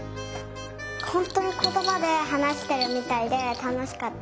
ほんとにことばではなしてるみたいでたのしかった。